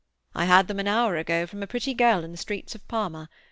"I had them an hour ago from a pretty girl in the streets of Parma.